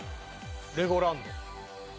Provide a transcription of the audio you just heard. レゴランド。